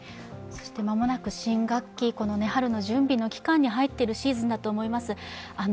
間もなく新学期、春の準備の期間に入っているシーズンだと思います。